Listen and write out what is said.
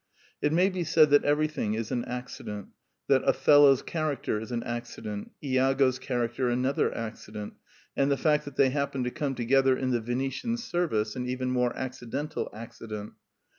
It may be said that everything is an accident: that Othello's character is an accident, lago's character another accident, and the fact that they happened to come together in the Venetian ser vice an even more accidental accident.